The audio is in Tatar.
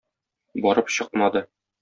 Барып чыкмады.